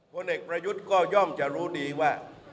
ผลเอกประยุทธ์ก็ย่อมจะรู้ดีว่า